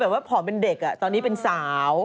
ว่าผอมเป็นเด็กตอนนี้เป็นสาว